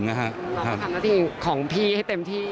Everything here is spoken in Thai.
ร้องขนาดที่ของพี่ให้เต็มที่